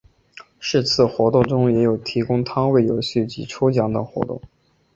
是次活动中也有提供摊位游戏及抽奖等活动。